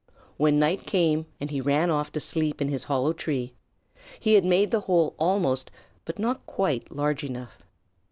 When night came and he ran off to sleep in his hollow tree, he had made the hole almost, but not quite, large enough.